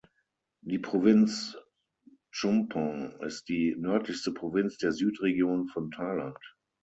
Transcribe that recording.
Die Provinz Chumphon ist die nördlichste Provinz der Südregion von Thailand.